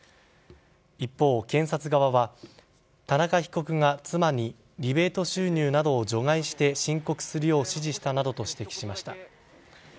一方、検察側は田中被告が妻にリベート収入などを除外して申告するよう指示したなどと指摘しました。